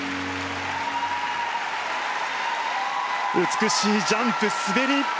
美しいジャンプ、滑り。